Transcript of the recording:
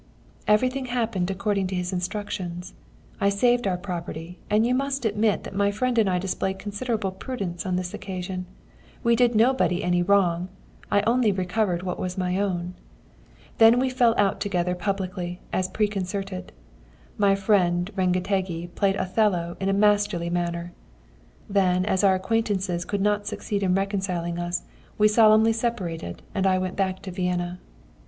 "Everything happened according to his instructions. I saved our property, and you must admit that my friend and I displayed considerable prudence on this occasion. We did nobody any wrong: I only recovered what was my own. "Then we fell out together publicly, as preconcerted. My friend Rengetegi played Othello in a masterly manner. Then as our acquaintances could not succeed in reconciling us, we solemnly separated and I went back to Vienna.